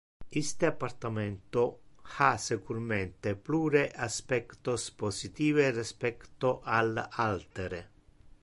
Iste appartamento ha securmente plure aspectos positive respecto al altere.